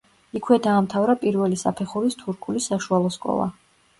იქვე დაამთავრა პირველი საფეხურის თურქული საშუალო სკოლა.